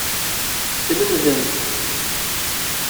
Tlemdemt.